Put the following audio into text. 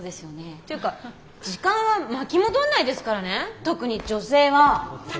っていうか時間は巻き戻んないですからね特に女性は。